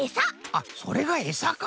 あっそれがエサか。